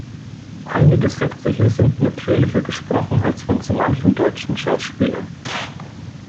Einige Sätze hier sind natürlicher gesprochen als von so manchem deutschen Schauspieler.